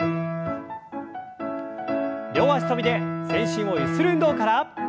両脚跳びで全身をゆする運動から。